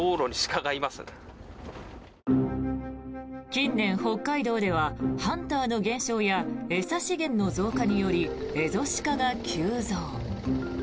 近年、北海道ではハンターの減少や餌資源の増加によりエゾシカが急増。